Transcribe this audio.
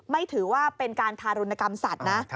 ถือว่าเป็นการทารุณกรรมสัตว์นะ